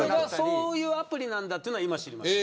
そういうアプリなんだというのは今、知りました。